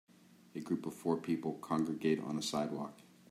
A group of four people congregate on a sidewalk.